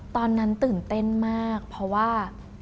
ตอนนั้นตื่นเต้นมากเพราะว่า